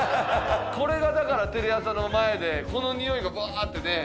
これがだからテレ朝の前でこのにおいがブワーッてね